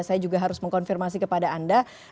saya juga harus mengkonfirmasi kepada anda